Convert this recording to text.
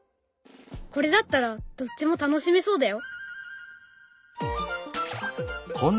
これだったらどっちも楽しめそうだよ！